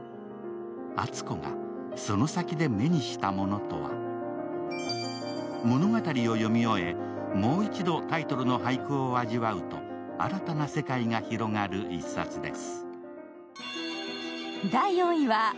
アツコがその先で目にしたものとは物語を読み終えて、もう一度タイトルの俳句を味わうと、新たな世界が広がる１冊です。